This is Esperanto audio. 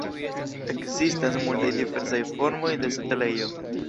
Ekzistas multaj diversaj formoj de setlejo.